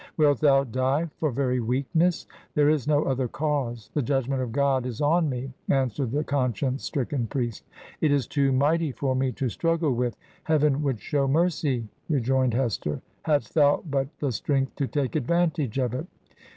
'Wilt thou die for very weakness? There is no other cause.' 'The judgment of God is on me,' answered the conscience stricken priest. 'It is too mighty for me to struggle with!' ' Heaven would show mercy,' rejoined Hester, 'hadst thou but Jhe strength to take advantage of it.'